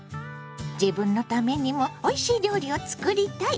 自分のためにもおいしい料理を作りたい！